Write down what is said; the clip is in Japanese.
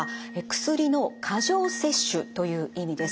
薬の過剰摂取という意味です。